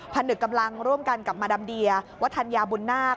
ผนึกกำลังร่วมกันกับมาดามเดียวัฒนยาบุญนาค